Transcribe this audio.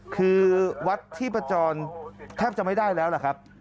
คือวัดที่ประจรแทบจะไม่ได้แล้วล่ะครับ